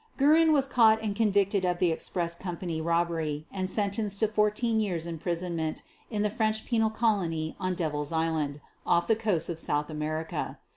Guerin was caught and convicted of the express company robbery, and sentenced to fourteen years' imprisonment in the French penal colony on Devil's Island, off the coast of South America.